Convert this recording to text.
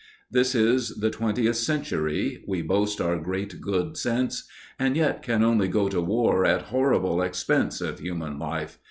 This is the twentieth century, We boast our great good sense. And yet can only go to war At horrible expense Of human life.